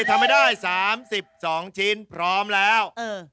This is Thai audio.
ทำให้ได้๓๒ชิ้นพร้อมแล้ว